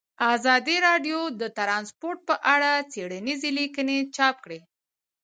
ازادي راډیو د ترانسپورټ په اړه څېړنیزې لیکنې چاپ کړي.